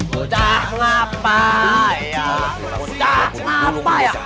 bocah ngapai ya